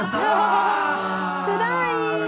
つらい。